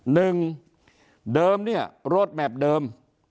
หนึ่งเดิมเนี่ยโรดแมพเดิม